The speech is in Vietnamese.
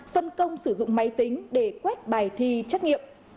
phân công sử dụng máy tính để quét bài thi trắc nghiệm